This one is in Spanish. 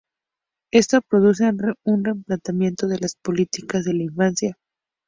Esto produce un replanteamiento de las políticas de la infancia.